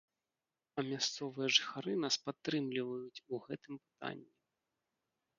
А мясцовыя жыхары нас падтрымліваюць у гэтым пытанні.